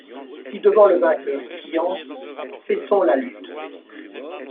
Si devant le vainqueur criant : Cessons la lutte